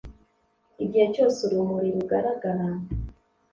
igihe cyose urumuri rugaragara